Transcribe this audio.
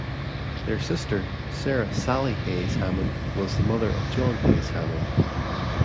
Their sister Sarah "Sallie" Hays Hammond was the mother of John Hays Hammond.